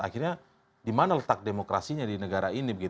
akhirnya di mana letak demokrasinya di negara ini